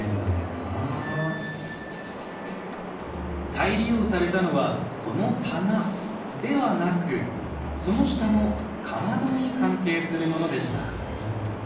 再利用されたのはこの棚ではなくその下のかまどに関係するものでした。